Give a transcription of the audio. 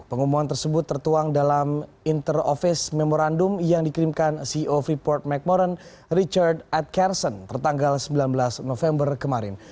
pengumuman tersebut tertuang dalam inter office memorandum yang dikirimkan ceo freeport mcmoran richard atkerson tertanggal sembilan belas november kemarin